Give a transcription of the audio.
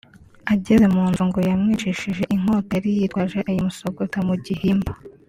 Ageze mu nzu ngo yamwicishije inkota yari yitwaje ayimusogota mu gihimba